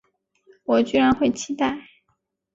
我居然会期待